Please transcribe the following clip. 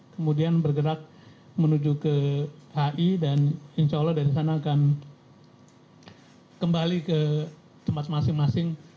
kemudian bergerak menuju ke hi dan insya allah dari sana akan kembali ke tempat masing masing